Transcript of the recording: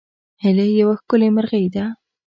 هیلۍ یوه ښکلې مرغۍ ده